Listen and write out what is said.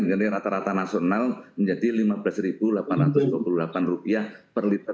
jadi rata rata nasional menjadi rp lima belas delapan ratus dua puluh delapan per liter